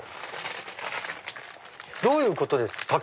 どういうことですか？